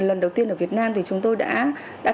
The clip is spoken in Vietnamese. lần đầu tiên ở việt nam thì chúng tôi đã